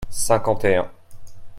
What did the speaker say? cinquante et un.